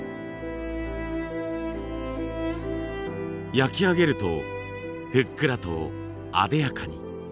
焼きあげるとふっくらとあでやかに。